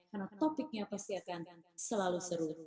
karena topiknya pasti akan selalu seru